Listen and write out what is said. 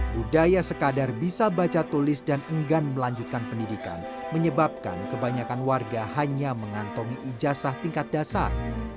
budaya sekadar bisa baca tulis dan enggan melanjutkan pendidikan menyebabkan kebanyakan warga hanya mengantongi ijazah tingkat dasar